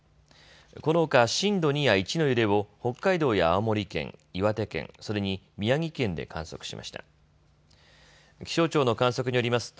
このほか震度２や１の揺れを北海道や青森県、岩手県、それに宮城県で観測しました。